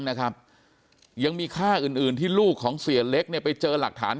นะครับยังมีค่าอื่นอื่นที่ลูกของเสียเล็กเนี่ยไปเจอหลักฐาน